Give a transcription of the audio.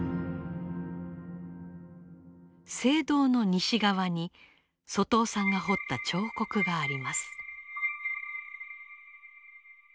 聖堂の西側に外尾さんが彫った彫刻があります。